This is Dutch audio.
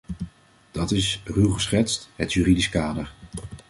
Dat is, ruw geschetst, het juridisch kader.